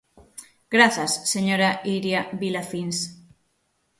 Grazas, señora Iria Vilafíns.